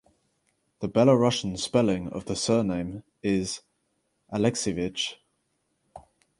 The Belarusian spelling of the surname is Alexievich.